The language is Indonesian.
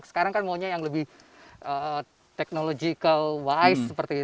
sekarang kan maunya yang lebih technological wise seperti itu